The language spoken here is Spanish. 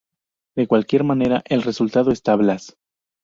De cualquier manera, el resultado es tablas.